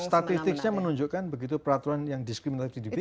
statistiknya menunjukkan begitu peraturan yang diskriminasi dibikin